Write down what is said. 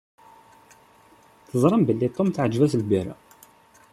Teẓram belli Tom teεǧeb-as lbira.